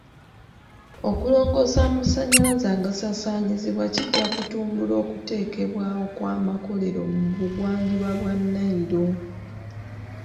Okulongoosa amasanyalaze agasaasaanyizibwa kujja kutumbula okuteekebwawo kw'amakolero mu bugwanjuba bwa Nile.